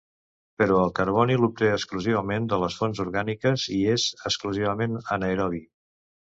Però el carboni l'obté exclusivament de fonts orgàniques i és exclusivament anaerobi.